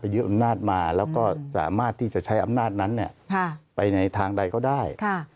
ยึดอำนาจมาแล้วก็สามารถที่จะใช้อำนาจนั้นไปในทางใดก็ได้